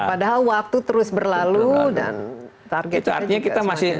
padahal waktu terus berlalu dan targetnya juga semakin tinggi